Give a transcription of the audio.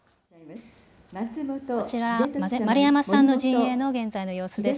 こちら、丸山さんの陣営の現在の様子です。